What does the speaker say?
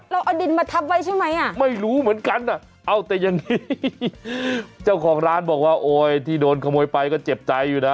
เอาดินมาทับไว้ใช่ไหมอ่ะไม่รู้เหมือนกันอ่ะเอาแต่อย่างนี้เจ้าของร้านบอกว่าโอ้ยที่โดนขโมยไปก็เจ็บใจอยู่นะ